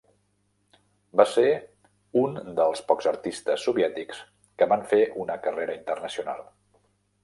Va ser un dels pocs artistes soviètics que van fer una carrera internacional.